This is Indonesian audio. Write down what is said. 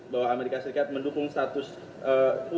bahwa amerika serikat mendukung status unggu